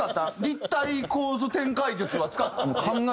立体構造展開術は使った？